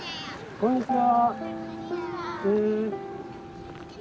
こんにちは。